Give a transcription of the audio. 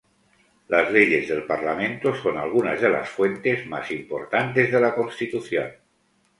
Las leyes del Parlamento son algunas de las fuentes más importantes de la Constitución.